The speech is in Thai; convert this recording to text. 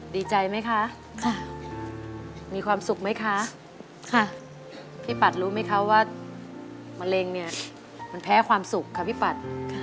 ดีใจไหมคะค่ะมีความสุขไหมคะค่ะพี่ปัดรู้ไหมคะว่ามะเร็งเนี่ยมันแพ้ความสุขค่ะพี่ปัด